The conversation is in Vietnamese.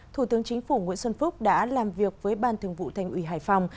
thủ tướng chính phủ nguyễn xuân phúc đã làm việc với ban thường vụ thành ủy hải phòng